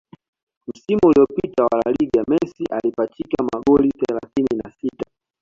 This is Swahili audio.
Msimu uliopita wa La Liga Messi alipachika magoli thelathini na sita